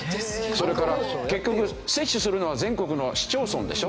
それから結局接種するのは全国の市町村でしょ。